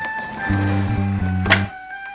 kamu mau ke rumah